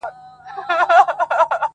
او پای يې خلاص پاته کيږي.